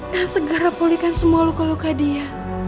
dan segera pulihkan semua luka luka dia